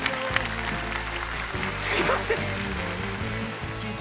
すいません！